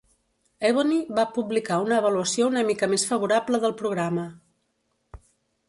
"Ebony" va publicar una avaluació una mica més favorable del programa.